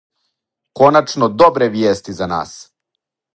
Коначно добре вијести за нас.